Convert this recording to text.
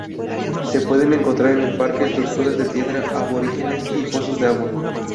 Se puede encontrar en el parque estructuras de piedra aborígenes y pozos de agua.